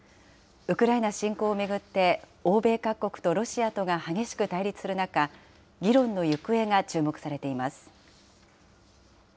ウクライナ侵攻を巡って、欧米各国とロシアとが激しく対立する中、議論の行方が注目されています。